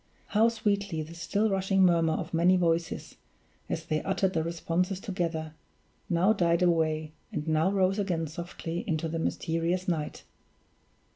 how sweetly the still rushing murmur of many voices, as they uttered the responses together, now died away, and now rose again softly into the mysterious night!